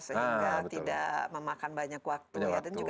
sehingga tidak memakan banyak waktu ya